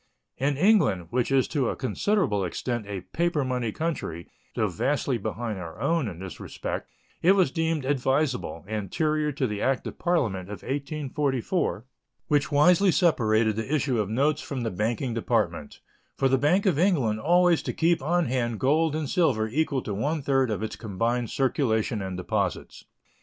In England, which is to a considerable extent a paper money country, though vastly behind our own in this respect, it was deemed advisable, anterior to the act of Parliament of 1844, which wisely separated the issue of notes from the banking department, for the Bank of England always to keep on hand gold and silver equal to one third of its combined circulation and deposits.